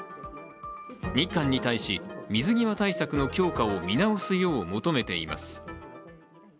日韓に対し水際対策の強化を見直すよう求めています。